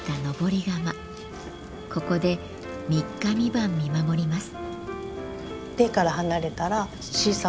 ここで３日３晩見守ります。